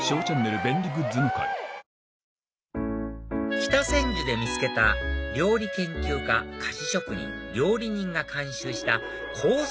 北千住で見つけた料理研究家菓子職人料理人が監修したコース